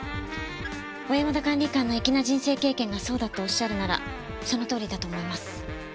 小山田管理官の粋な人生経験がそうだとおっしゃるならそのとおりだと思います。